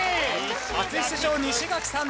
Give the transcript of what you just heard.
初出場西垣さん